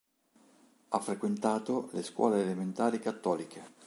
Ha frequentato le scuole elementari cattoliche.